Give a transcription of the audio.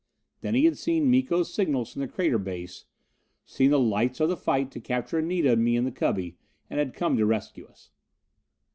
Then he had seen Miko's signals from the crater base, seen the lights of the fight to capture Anita and me in the cubby, and had come to rescue us.